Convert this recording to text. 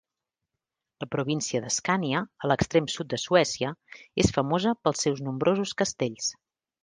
La província d'Escània, a l'extrem sud de Suècia, és famosa pels seus nombrosos castells.